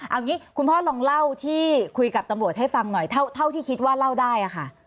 เอางี้คุณพ่อลองเล่าที่คุยกับตำรวจให้ฟังหน่อยเท่าที่คิดว่าเล่าได้ค่ะ